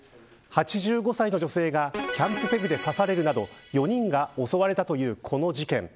８５歳の女性がキャンプペグで刺されるなど４人が襲われたというこの事件。